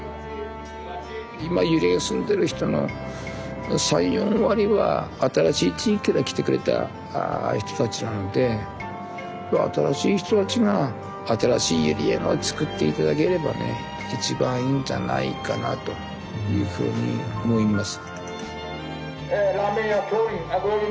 今閖上に住んでいる人の３４割は新しい地域から来てくれた人たちなので新しい人たちが新しい閖上をつくって頂ければね一番いいんじゃないかなというふうに思います。